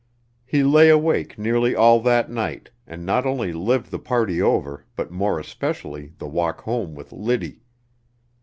He lay awake nearly all that night, and not only lived the party over, but more especially the walk home with Liddy.